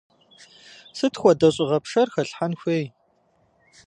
Сыт хуэдэ щӏыгъэпшэр хэлъхьэн хуей?